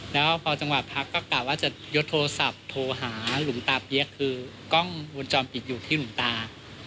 แล้วพอจังหวะพักก็กะว่าจะยดโทรศัพท์โทรหาหลวงตาเปี๊ยกคือกล้องวงจรปิดอยู่ที่หลวงตา